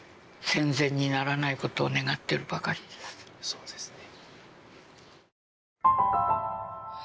そうですね。